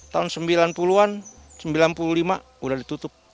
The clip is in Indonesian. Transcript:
tahun sembilan puluh an sembilan puluh lima udah ditutup